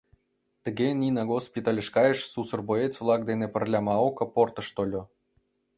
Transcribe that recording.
Тыге Нина госпитальыш кайыш сусыр боец-влак дене пырля Маока портыш тольо.